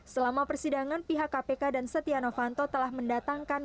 selama persidangan pihak kpk dan setia novanto telah mendatangkan